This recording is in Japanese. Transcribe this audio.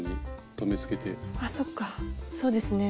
あっそっかそうですね。